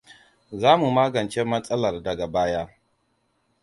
Za mu magance matsalar daga baya.